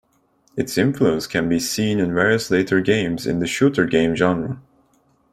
Its influence can be seen in various later games in the shooter game genre.